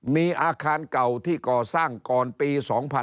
มีอาคารเก่าที่กศก่อนปี๒๕๓๕